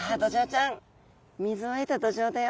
ちゃん水を得たドジョウだよ。